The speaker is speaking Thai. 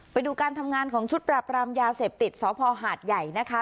ไปดูการทำงานของชุดปราบรามยาเสพติดสพหาดใหญ่นะคะ